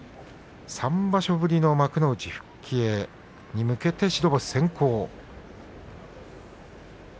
３場所ぶりの幕内復帰に向けて白星先行。